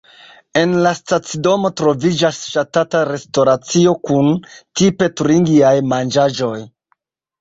En la stacidomo troviĝas ŝatata restoracio kun tipe turingiaj manĝaĵoj.